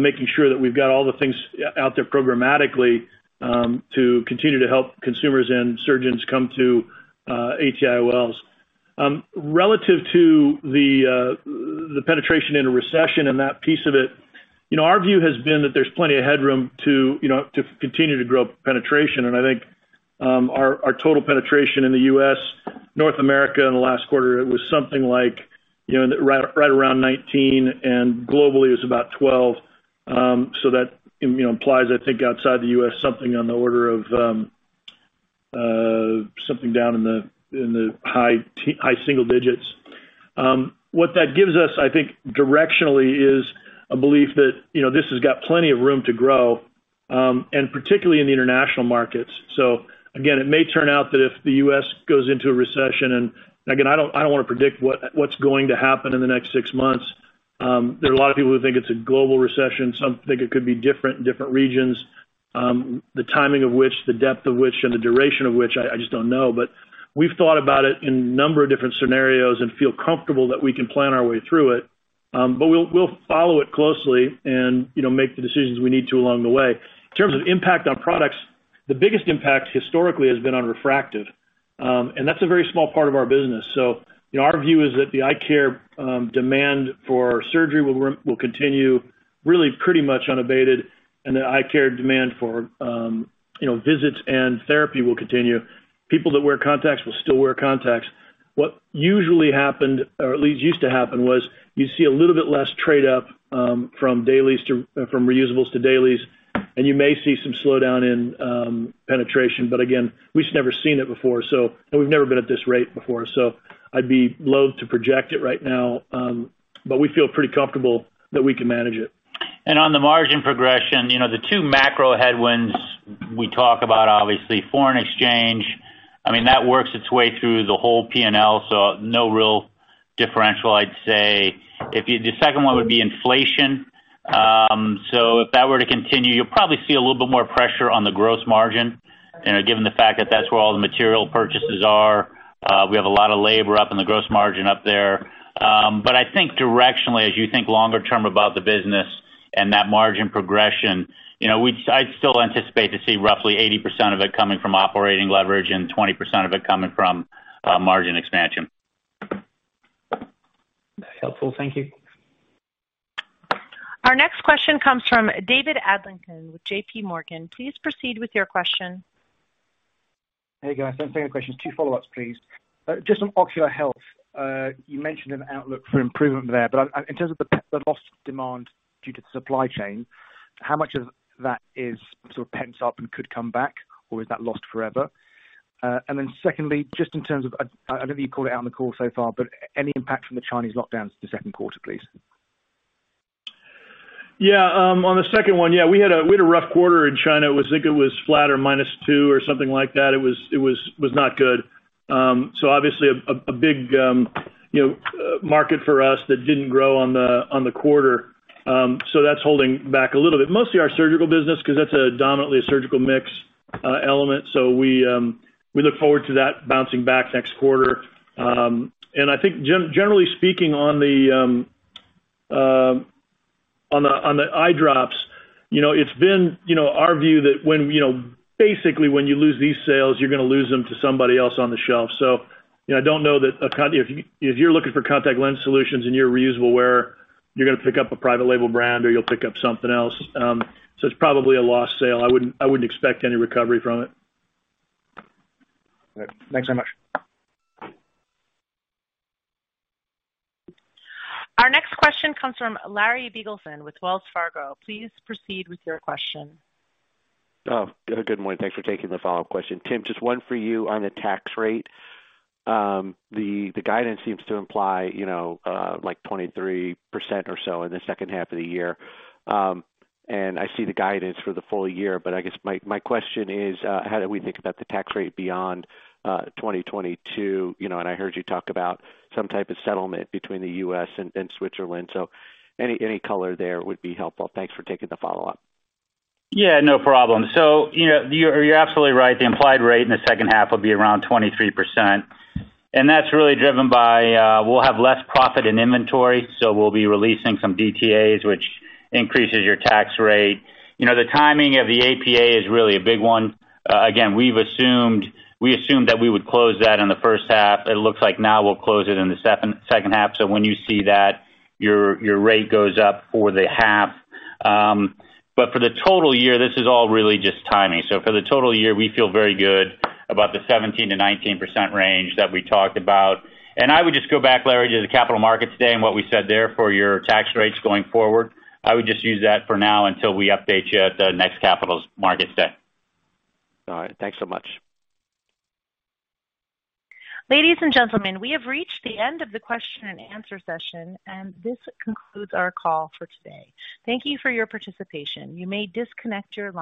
C: making sure that we've got all the things out there programmatically to continue to help consumers and surgeons come to ATIOLs. Relative to the penetration in a recession and that piece of it, you know, our view has been that there's plenty of headroom to continue to grow penetration. And I think our total penetration in the U.S., North America in the last quarter, it was something like, you know, right around 19%, and globally it was about 12%. So that, you know, implies, I think, outside the U.S., something on the order of, something down in the high single digits. What that gives us, I think, directionally is a belief that, you know, this has got plenty of room to grow, and particularly in the international markets. So again, it may turn out that if the U.S. goes into a recession, and again, I don't wanna predict what's going to happen in the next six months. There are a lot of people who think it's a global recession. Some think it could be different in different regions. The timing of which, the depth of which, and the duration of which, I just don't know. But we've thought about it in a number of different scenarios and feel comfortable that we can plan our way through it. We'll follow it closely and, you know, make the decisions we need to along the way. In terms of impact on products, the biggest impact historically has been on refractive, and that's a very small part of our business. So, you know, our view is that the eye care demand for surgery will continue really pretty much unabated, and the eye care demand for, you know, visits and therapy will continue. People that wear contacts will still wear contacts. What usually happened, or at least used to happen, was you see a little bit less trade up from reusables to dailies, and you may see some slowdown in penetration. But again, we've just never seen it before. So we've never been at this rate before, so I'd be loath to project it right now. But we feel pretty comfortable that we can manage it.
D: And on the margin progression, you know, the two macro headwinds we talk about, obviously foreign exchange, I mean, that works its way through the whole P&L, so no real differential, I'd say. The second one would be inflation. So if that were to continue, you'll probably see a little bit more pressure on the gross margin, you know, given the fact that that's where all the material purchases are. We have a lot of labor up in the gross margin up there. But I think directionally, as you think longer term about the business and that margin progression, you know, I'd still anticipate to see roughly 80% of it coming from operating leverage and 20% of it coming from margin expansion.
M: Helpful. Thank you.
A: Our next question comes from David Adlington with JP Morgan. Please proceed with your question.
N: Hey, guys. I have two follow-ups, please. Just on Ocular Health. You mentioned an outlook for improvement there, but in terms of the lost demand due to supply chain, how much of that is sort of pent up and could come back, or is that lost forever? And then secondly, just in terms of, I don't think you called out on the call so far, but any impact from the Chinese lockdowns in the Q2, please.
C: Yeah. On the second one, yeah, we had a rough quarter in China. I think it was flat or -2% or something like that. It was not good. So obviously a big market for us that didn't grow on the quarter. So that's holding back a little bit. Mostly our surgical business because that's dominantly a surgical mix element. So we look forward to that bouncing back next quarter. And I think generally speaking, on the eye drops, you know, it's been our view that when, you know, basically when you lose these sales, you're gonna lose them to somebody else on the shelf. So, you know, I don't know that if you, if you're looking for contact lens solutions and you're a reusable wearer, you're gonna pick up a private label brand or you'll pick up something else. So it's probably a lost sale. I wouldn't expect any recovery from it.
N: All right. Thanks so much.
A: Our next question comes from Larry Biegelsen with Wells Fargo. Please proceed with your question.
H: Good morning. Thanks for taking the follow-up question. Tim, just one for you on the tax rate. The guidance seems to imply, you know, like 23% or so in the second half of the year. And I see the guidance for the full year. I guess my question is, how do we think about the tax rate beyond 2022? You know, I heard you talk about some type of settlement between the U.S. and Switzerland. So any color there would be helpful. Thanks for taking the follow-up.
D: Yeah, no problem. So, you know, you're absolutely right. The implied rate in the second half will be around 23%, and that's really driven by we'll have less profit in inventory, so we'll be releasing some DTAs, which increases your tax rate. You know, the timing of the APA is really a big one. Again, we assumed that we would close that in the first half. It looks like now we'll close it in the second half. When you see that, your rate goes up for the half. But for the total year, this is all really just timing. So for the total year, we feel very good about the 17%-19% range that we talked about. And I would just go back, Larry, to the Capital Markets Day and what we said there for your tax rates going forward. I would just use that for now until we update you at the next Capital Markets Day.
H: All right. Thanks so much.
A: Ladies and gentlemen, we have reached the end of the question and answer session, and this concludes our call for today. Thank you for your participation. You may disconnect your line.